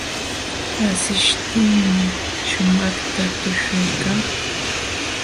Asishtinmi shumaqta tuśhuykan.